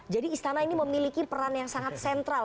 jadi istana ini memiliki peran yang sangat sentral